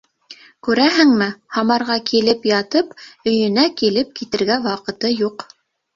Күрәһеңме, Һамарға килеп ятып, өйөнә килеп китергә ваҡыты юҡ.